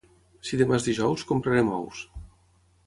Si demà és dijous, comprarem ous.